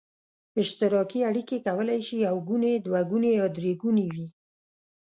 اشتراکي اړیکې کولای شي یو ګوني، دوه ګوني یا درې ګوني وي.